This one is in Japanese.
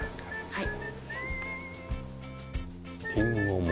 はい。